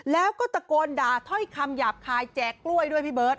แล้วก็ตะโกนด่าถ้อยคำหยาบคายแจกกล้วยด้วยพี่เบิร์ต